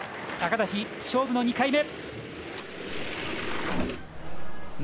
高梨、勝負の２回目。